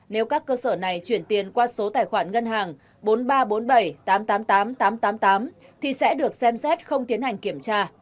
nếu các cơ sở này chuyển tiền qua số tài khoản ngân hàng bốn nghìn ba trăm bốn mươi bảy tám trăm tám mươi tám tám trăm tám mươi tám thì sẽ được xem xét không tiến hành kiểm tra